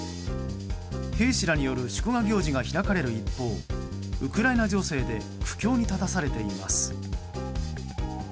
兵士らによる祝賀行事が開かれる一方ウクライナ情勢で苦境に立たされています。